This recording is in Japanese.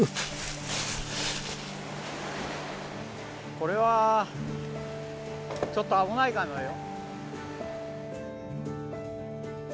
これはちょっと危ないかもよ。